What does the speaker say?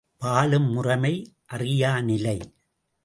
வாழும் முறைமை அறியாநிலை!